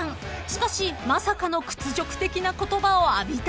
［しかしまさかの屈辱的な言葉を浴びたそうで］